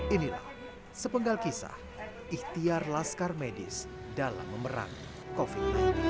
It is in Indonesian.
inilah sepenggal kisah ikhtiar laskar medis dalam memerang covid sembilan belas